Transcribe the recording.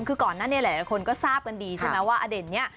คือก่อนนั้นเนี่ยหลายคนก็ทราบกันดีใช่ไหมว่าอเด่นนี้